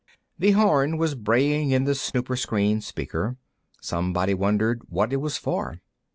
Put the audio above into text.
The horn was braying in the snooper screen speaker; somebody wondered what it was for.